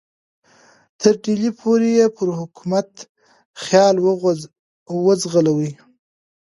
تر ډهلي پورې یې پر حکومت خیال وځغلي.